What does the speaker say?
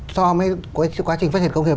so với quá trình phát triển công nghiệp